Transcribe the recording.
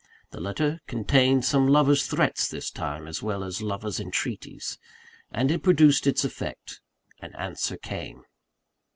The letter contained some lover's threats this time, as well as lover's entreaties; and it produced its effect an answer came.